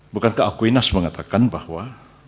bukankah akuinas mengatakan bahwa